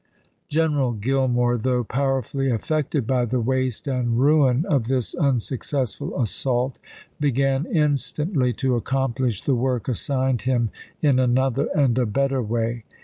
General Gillmore, though powerfully affected by the waste and ruin of this unsuccessful assault, began instantly to accomplish the work assigned him in another and a better way.